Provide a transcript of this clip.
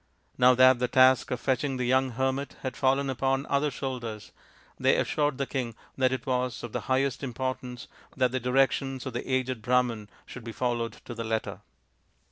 Now that the task of fetching the young hermit had fallen upon other shoulders, they assured the king that it was of the highest importance that the directions of the aged Brahman should be followed to the letter.